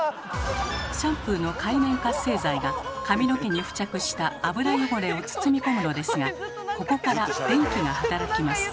シャンプーの界面活性剤が髪の毛に付着した油汚れを包み込むのですがここから電気が働きます。